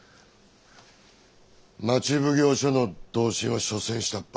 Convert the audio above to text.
町奉行所の同心は所詮下っ端。